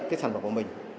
cái sản phẩm của mình